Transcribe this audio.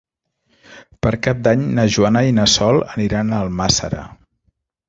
Per Cap d'Any na Joana i na Sol aniran a Almàssera.